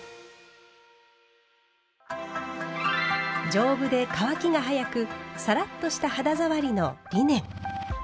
丈夫で乾きが早くサラッとした肌触りのリネン。